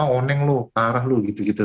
oh oneng lo parah lo gitu gitu